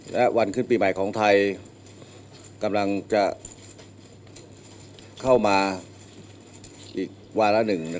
และวันขึ้นปีใหม่ของไทยกำลังจะเข้ามาอีกวาระหนึ่ง